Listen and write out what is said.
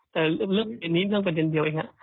แต่เรื่องนี้เรื่องประเด็นเดียวเองครับ